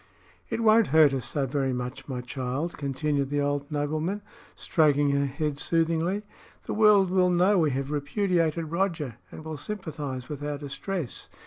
"It won't hurt us so very much, my child," continued the old nobleman, stroking her head soothingly. "The world will know we have repudiated Roger, and will sympathise with our distress.